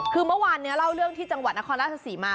คือเมื่อวานนี้เล่าเรื่องที่จังหวัดนครราชศรีมา